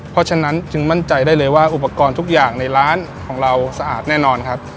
เพราะฉะนั้นจึงมั่นใจได้เลยว่าอุปกรณ์ทุกอย่างในร้านของเราสะอาดแน่นอนครับ